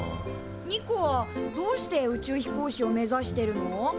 ニコはどうして宇宙飛行士を目指してるの？